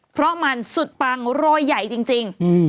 เพราะมันสุดปังรอยใหญ่จริง